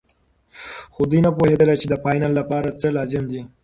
خو دوی نه پوهېدل چې د فاینل لپاره څه لازم دي.